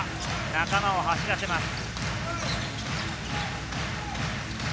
仲間を走らせます。